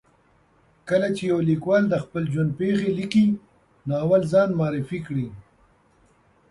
کله چې یو لیکوال د خپل ژوند پېښې لیکي، نو اول ځان معرفي کوي.